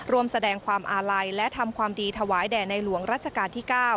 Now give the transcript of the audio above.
ร่วมแสดงความอาลัยและทำความดีถวายแด่ในหลวงรัชกาลที่๙